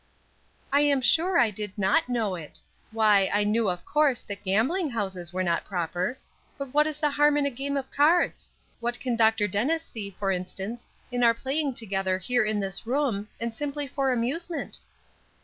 "I am sure I did not know it. Why, I knew, of course, that gambling houses were not proper; but what is the harm in a game of cards? What can Dr. Dennis see, for instance, in our playing together here in this room, and simply for amusement?"